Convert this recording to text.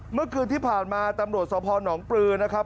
เมื่อคืนที่ผ่านมาตำรวจสภหนองปลือนะครับ